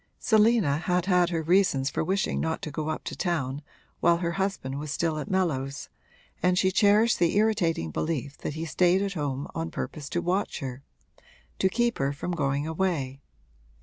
Selina had had her reasons for wishing not to go up to town while her husband was still at Mellows, and she cherished the irritating belief that he stayed at home on purpose to watch her to keep her from going away.